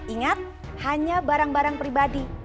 ingat hanya barang barang pribadi